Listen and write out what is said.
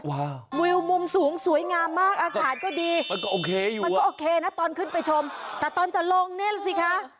วิวมุมสูงสวยงามมากอากาศก็ดีมันก็โอเคนะตอนขึ้นไปชมแต่ตอนจะลงนี่แหละสิคะ